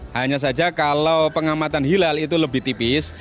hanya saja kalau pengamatan hilal itu lebih tipis